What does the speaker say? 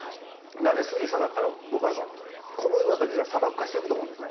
あれ、水位下がったら小麦畑が砂漠化していくと思うんです。